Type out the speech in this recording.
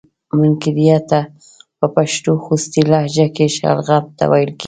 منګړیته په پښتو خوستی لهجه کې شلغم ته ویل کیږي.